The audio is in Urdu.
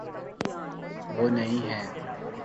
وہ نہیں ہے۔